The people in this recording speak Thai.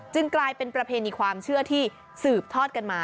กลายเป็นประเพณีความเชื่อที่สืบทอดกันมา